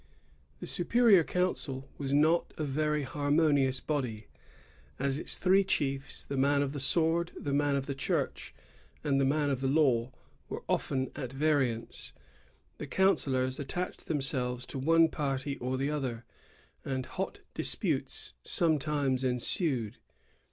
^ The superior council was not a very harmonious body. As its three chiefs — the man of the sword, the man of the church, and the man of the law — were often at variance, the councillors attached them selves to one party or the other, and hot disputes sometimes ensued.